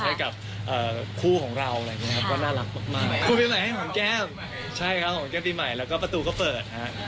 ให้กับคู่ของเราน่ารักมากคู่ปีใหม่ให้ของแก้มแล้วก็ประตูก็เปิดครับ